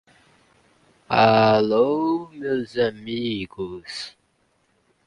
Os contribuidores estão de parabéns pela dedicação ao projeto common voice